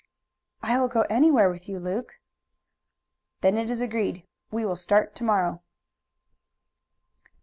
"I will go anywhere with you, Luke." "Then it is agreed. We will start to morrow."